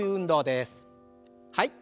はい。